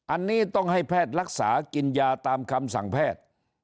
อันนี้ต้องให้แพทย์รักษากินยาตามคำสั่งแพทย์